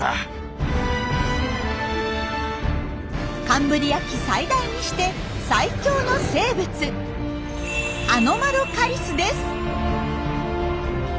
カンブリア紀最大にして最強の生物アノマロカリスです。